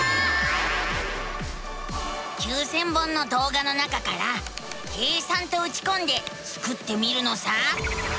９，０００本のどうがの中から「計算」とうちこんでスクってみるのさ。